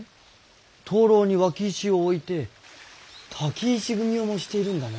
灯籠に脇石を置いて滝石組を模しているんだね。